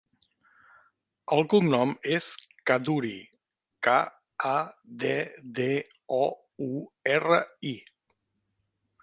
El cognom és Kaddouri: ca, a, de, de, o, u, erra, i.